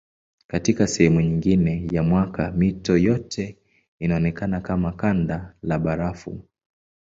Katika sehemu nyingine ya mwaka mito yote inaonekana kama kanda la barafu.